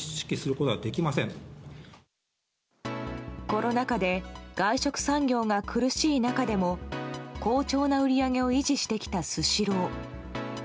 コロナ禍で外食産業が苦しい中でも好調な売り上げを維持してきたスシロー。